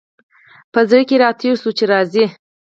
په زړه کي را تېر شول چي راځي !